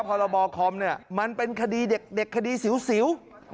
พอเราบอกคอมเนี่ยมันเป็นคดีเด็กสิว